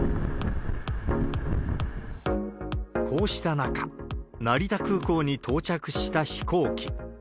こうした中、成田空港に到着した飛行機。